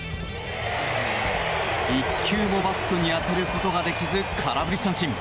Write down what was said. １球もバットに当てることができず空振り三振。